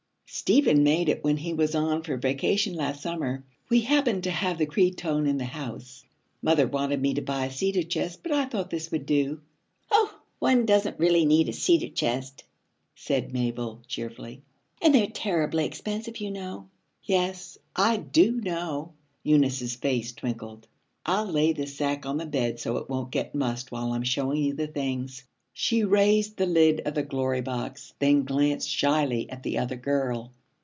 'Stephen made it when he was on for his vacation last summer. We happened to have the cretonne in the house. Mother wanted me to buy a cedar chest but I thought this would do.' 'Oh, one doesn't really need a cedar chest,' said Mabel cheerfully, 'and they're terribly expensive, you know.' 'Yes, I do know.' Eunice's face twinkled. 'I'll lay this sack on the bed so it won't get mussed while I'm showing you the things.' She raised the lid of the Glory Box, then glanced shyly at the other girl.